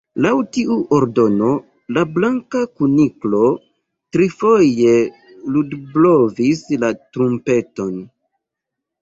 Laŭ tiu ordono, la Blanka Kuniklo trifoje ludblovis la trumpeton.